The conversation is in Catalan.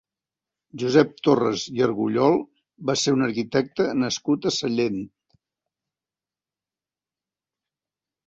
Josep Torres i Argullol va ser un arquitecte nascut a Sallent.